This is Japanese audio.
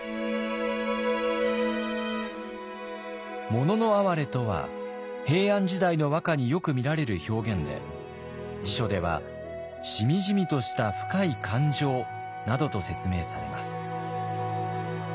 「もののあはれ」とは平安時代の和歌によく見られる表現で辞書では「しみじみとした深い感情」などと説明されます。